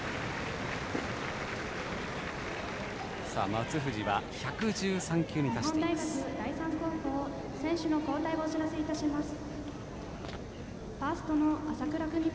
松藤は、１１３球に達しています。